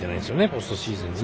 ポストシーズンに。